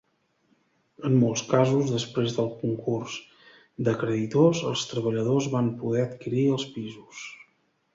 En molts casos, després del concurs de creditors, els treballadors van poder adquirir els pisos.